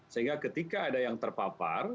sehingga ketika ada yang terpapar